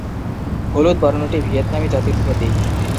হলুদ বর্ণটি ভিয়েতনামী জাতির প্রতীক।